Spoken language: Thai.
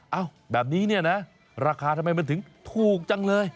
เอ้าแบบนี้นะราคาทำไมถึงถูกจังเลย